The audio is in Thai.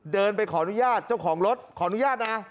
เดินไปขออนุญาตเจ้าของรถขออนุญาตนะ